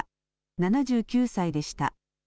７９歳でした。